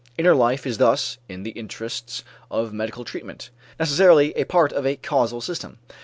Inner life is thus, in the interests of medical treatment, necessarily a part of a causal system.